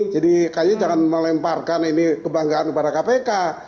jadi kay jangan melemparkan ini kebanggaan kepada kpk